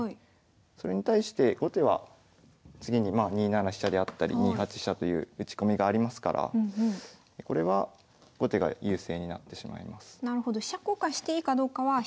それに対して後手は次に２七飛車であったり２八飛車という打ち込みがありますからこれは後手が優勢になってしまいます。